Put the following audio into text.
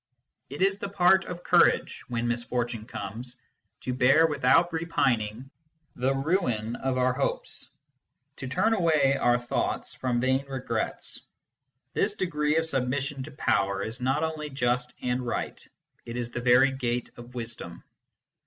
It is the part of courage, when mis fortune comes, to bear without repining the ruin of our hopes, to turn away our thoughts from vain regrets. This degree of submission to Power is not only just and right : it is the very gate of wisdom.